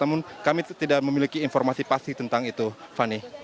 namun kami tidak memiliki informasi pasti tentang itu fani